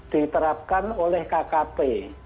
diterapkan oleh kkp